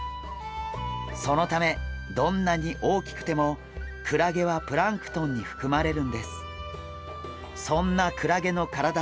そのためどんなに大きくてもクラゲはプランクトンにふくまれるんです。